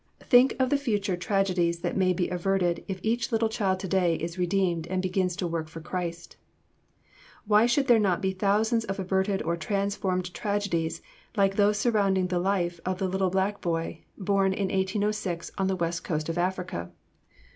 Think of the future tragedies that may be averted if each little child today is redeemed and begins to work for Christ. Why should there not be thousands of averted or transformed tragedies like those surrounding the life of the little black boy, born in 1806 on the West Coast of Africa?